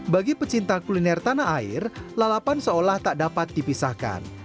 bagi pecinta kuliner tanah air lalapan seolah tak dapat dipisahkan